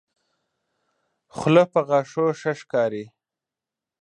خله په غاښو ښه ښکاري.